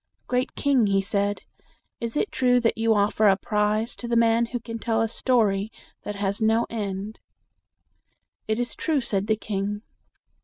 "Great king," he said, "is it true that you offer a prize to the man who can tell a story that has no end?" "It is true," said the king.